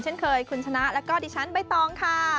เช่นเคยคุณชนะแล้วก็ดิฉันใบตองค่ะ